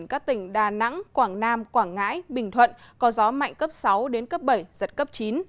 các tỉnh đà nẵng quảng nam quảng ngãi bình thuận có gió mạnh cấp sáu đến cấp bảy giật cấp chín